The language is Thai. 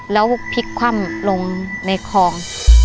แล้วพลิกคว่ำลงในคลอง